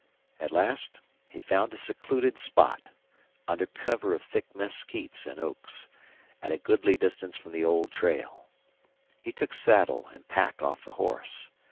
At last he found a secluded spot, under cover of thick mesquites and oaks, at a goodly distance from the old trail. He took saddle and pack off the horse.